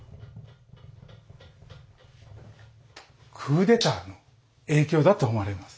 クーデターの影響だと思われます。